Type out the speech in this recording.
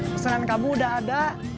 pesanan kamu udah ada